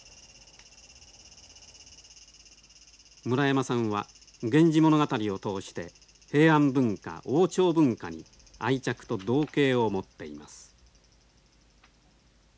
村山さんは「源氏物語」を通して平安文化王朝文化に愛着と憧憬を持っています。